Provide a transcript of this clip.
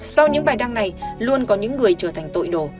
sau những bài đăng này luôn có những người trở thành tội đồ